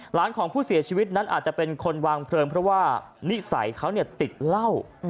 ของผู้เสียชีวิตนั้นอาจจะเป็นคนวางเพลิงเพราะว่านิสัยเขาติดเหล้า